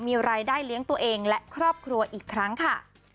มีรายได้เลี้ยงตัวเองและครอบครัวอีกครั้งค่ะ